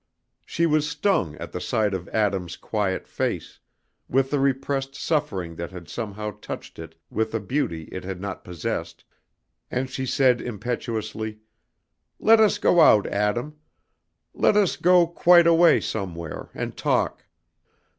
She was stung at the sight of Adam's quiet face, with the repressed suffering that had somehow touched it with a beauty it had not possessed, and she said impetuously, "Let us go out, Adam; let us go quite away somewhere, and talk.